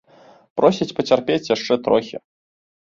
Просяць пацярпець яшчэ трохі.